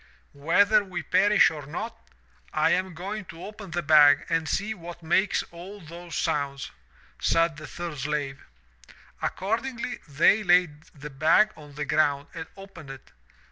'Whether we perish or not, I am going to open the bag and see what makes all those sounds,' said the third slave. ''Accordingly, they laid the bag on the ground and opened it.